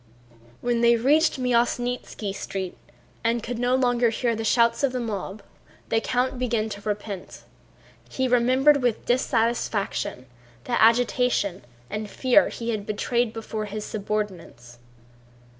When they reached the Myasnítski Street and could no longer hear the shouts of the mob, the count began to repent. He remembered with dissatisfaction the agitation and fear he had betrayed before his subordinates.